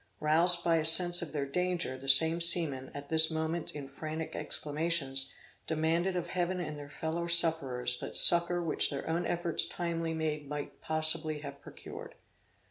Roused by a sense of their danger, the same seamen, at this moment, in frantic exclamations, demanded of heaven and their fellow sufferers, that succour which their own efforts timely made might possibly have procured.